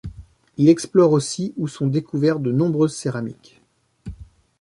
Il explore aussi où sont découverts de nombreuses céramiques.